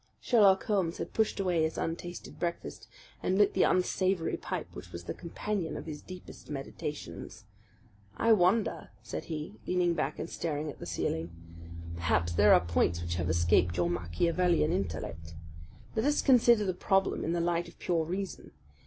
Sherlock Holmes had pushed away his untasted breakfast and lit the unsavoury pipe which was the companion of his deepest meditations. "I wonder!" said he, leaning back and staring at the ceiling. "Perhaps there are points which have escaped your Machiavellian intellect. Let us consider the problem in the light of pure reason.